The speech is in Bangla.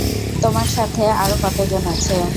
তোমার সাথে আরও কতজন আছে?